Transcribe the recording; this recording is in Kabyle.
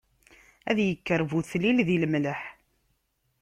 Ad ikker butlil di lemleḥ.